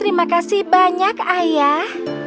terima kasih banyak ayah